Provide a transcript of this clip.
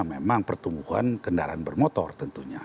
memang pertumbuhan kendaraan bermotor tentunya